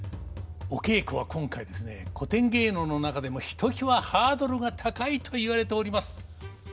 お稽古は今回ですね古典芸能の中でもひときわハードルが高いと言われております能です。